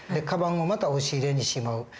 カバンをまた押し入れにしまう。